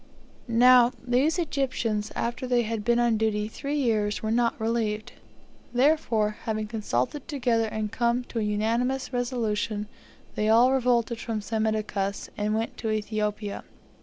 Now, these Egyptians, after they had been on duty three years, were not relieved; therefore, having consulted together and come to an unanimous resolution, they all revolted from Psammitichus, and went to Ethiopia.